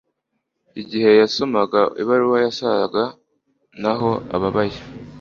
Igihe yasomaga ibaruwa yasaga naho ababaye